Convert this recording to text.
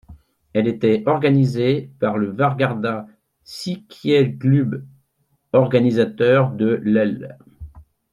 Elle était organisée par le Vårgårda Cykelklubb, organisateur de l'.